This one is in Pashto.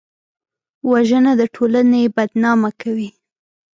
وژنه د ټولنې بدنامه کوي